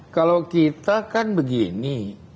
kalau kita kan begini